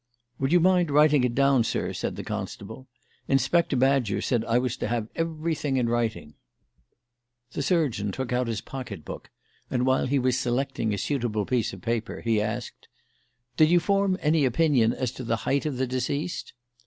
"Would you mind writing it down, sir?" said the constable. "Inspector Badger said I was to have everything in writing." The surgeon took out his pocket book, and, while he was selecting a suitable piece of paper, he asked: "Did you form any opinion as to the height of the deceased?"